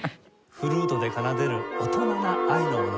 フルートで奏でる大人な愛の物語。